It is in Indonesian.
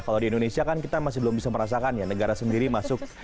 kalau di indonesia kan kita masih belum bisa merasakan ya negara sendiri masuk